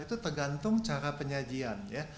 itu tergantung cara penyajian ya